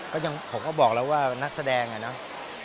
ผมก็บอกแล้วว่านักแสดงอะเนาะ